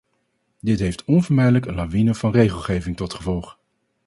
Dit heeft onvermijdelijk een lawine van regelgeving tot gevolg.